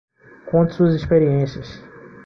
Conte suas experiências.